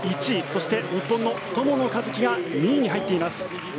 そして、日本の友野一希が２位に入っています。